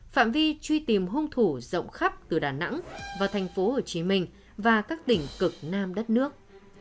phạm vi truy tìm hung thủ rộng khắp từ đà nẵng vào thành phố hồ chí minh và các tỉnh cực nam đất nước